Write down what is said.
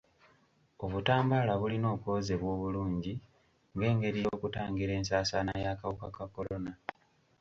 Obutambaala bulina okwozebwa obulungi ng'engeri y'okutangira ensaasaana y'akawuka ka kolona.